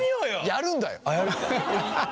やるんだよ！